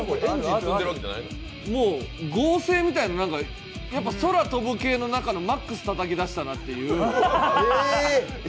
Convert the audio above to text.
合成みたいな、空飛ぶ系のマックスたたき出したなという。